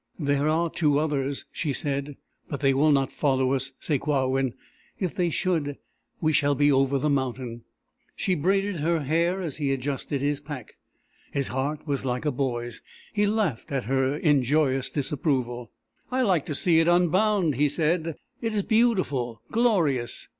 "There are two others," she said. "But they will not follow us, Sakewawin. If they should, we shall be over the mountain." She braided her hair as he adjusted his pack. His heart was like a boy's. He laughed at her in joyous disapproval. "I like to see it unbound," he said. "It is beautiful. Glorious."